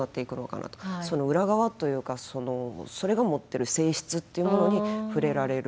その裏側というかそれが持ってる性質っていうものに触れられる。